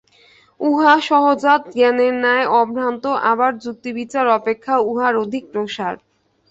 উহা সহজাত জ্ঞানের ন্যায় অভ্রান্ত, আবার যুক্তিবিচার অপেক্ষাও উহার অধিক প্রসার।